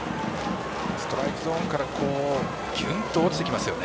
ストライクゾーンからぎゅんと落ちてきますね。